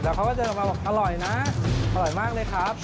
แต่เขามันมีอร่อยนะขอบภาพนะครับ